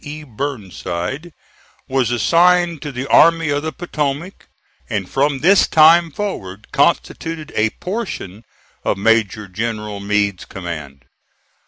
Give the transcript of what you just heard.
E. Burnside, was assigned to the Army of the Potomac, and from this time forward constituted a portion of Major General Meade's command.